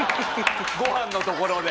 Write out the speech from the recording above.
ご飯のところで。